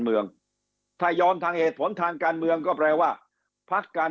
เมืองถ้ายอมทางเหตุผลทางการเมืองก็แปลว่าพักการ